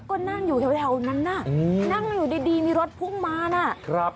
ก็นั่งอยู่แถวนั้นน่ะนั่งมันอยู่ดีมีรถภูมิมาน่ะ